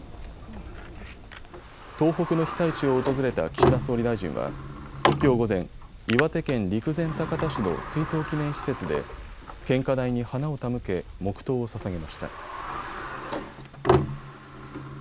東北の被災地を訪れた岸田総理大臣はきょう午前、岩手県陸前高田市の追悼祈念施設で献花台に花を手向け黙とうをささげました。